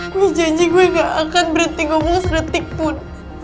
gua janji gua gak akan berhenti ngomong se detik pun